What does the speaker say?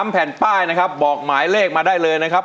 แผ่นป้ายนะครับบอกหมายเลขมาได้เลยนะครับ